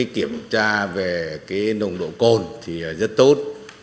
kiểm tra về nồng độ côn rất tốt